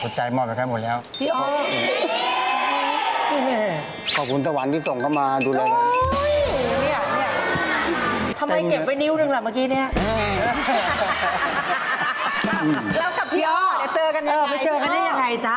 จะเจอกันอย่างไรจ๊ะ